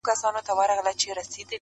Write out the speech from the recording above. د وخت له کانه به را باسمه غمی د الماس ,